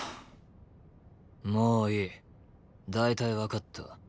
もういい大体わかった。